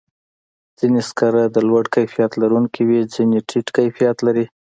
ځینې سکاره د لوړ کیفیت لرونکي وي، ځینې ټیټ کیفیت لري.